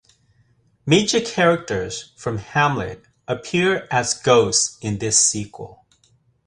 Major characters from "Hamlet" appear as ghosts in this sequel.